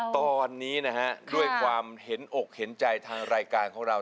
ตอนนี้นะฮะด้วยความเห็นอกเห็นใจทางรายการของเรา